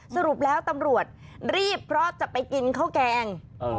สรุปแล้วตำรวจรีบเพราะจะไปกินข้าวแกง